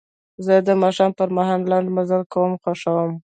زه د ماښام پر مهال لنډ مزل کول خوښوم.